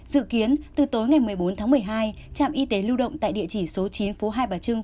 dự kiến từ tối ngày một mươi bốn tháng một mươi hai trạm y tế lưu động tại địa chỉ số chín phố hai bà trưng